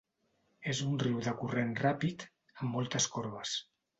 És un riu de corrent ràpid, amb moltes corbes.